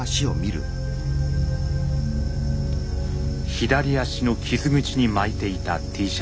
左足の傷口に巻いていたＴシャツ。